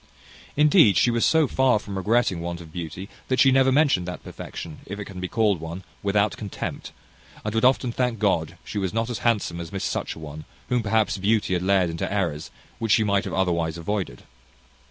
Indeed, she was so far from regretting want of beauty, that she never mentioned that perfection, if it can be called one, without contempt; and would often thank God she was not as handsome as Miss Such a one, whom perhaps beauty had led into errors which she might have otherwise avoided.